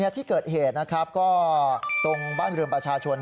ที่เกิดเหตุก็ตรงบ้านบริเวณประชาชน